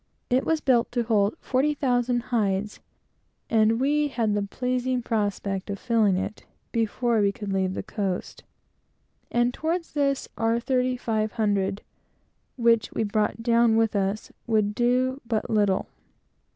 It was built to hold forty thousand hides, and we had the pleasing prospect of filling it before we could leave the coast; and toward this, our thirty five hundred, which we brought down with us, would do but little.